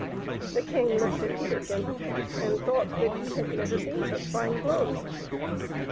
The king looked at Peterkin, and thought that he had never seen such fine clothes.